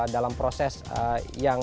dalam proses yang